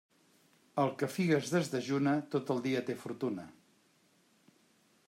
El que figues desdejuna, tot el dia té fortuna.